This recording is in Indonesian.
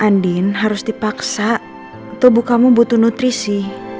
andin harus dipaksa tubuh kamu butuh nutrisi